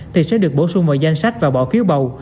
thì sẽ được bổ sung vào danh sách và bỏ phiếu bầu